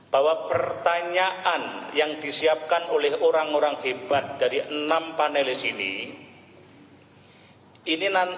bahwa pertanyaan yang disiapkan oleh orang orang hebat dari enam panelis ini